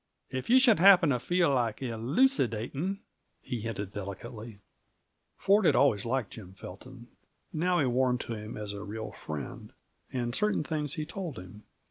If you should happen to feel like elucidating " he hinted delicately. Ford had always liked Jim Felton; now he warmed to him as a real friend, and certain things he told him.